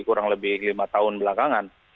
kurang lebih lima tahun belakangan